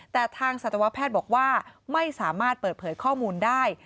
แต่ทางสัตวแพทย์บอกว่าไม่สามารถเปิดเผยข้อมูลได้